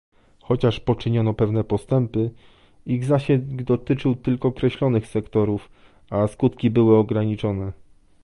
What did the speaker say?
Chociaż poczyniono pewne postępy, ich zasięg dotyczył tylko określonych sektorów, a skutki były ograniczone